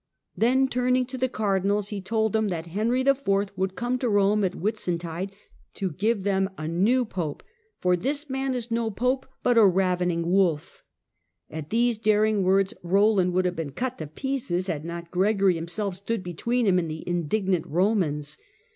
Then, turning to the cardinals, he told them that Henry IV. would come to Rome at Whitsuntide to give them a new Pope, " for this man is no Pope, but a ravening wolf." At these daring words Roland would have been cut to pieces, had not Gregory himself stood between him and Excom the indignant Romans.